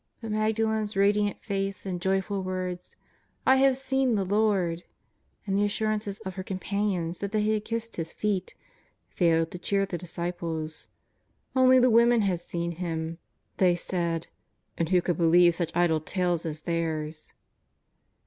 But Magdalen's radiant face and joyful words :'^ I have seen the Lord," and the assurances of her com panions that they had kissed His feet, failed to cheer the disciples. Only the women had seen Him, they said, and who could believe such idle tales as theirs